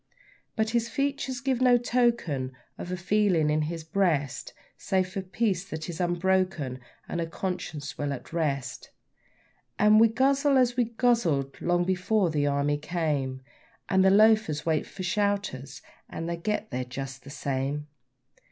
But his features give no token of a feeling in his breast, Save of peace that is unbroken and a conscience well at rest; And we guzzle as we guzzled long before the Army came, And the loafers wait for 'shouters' and they get there just the same.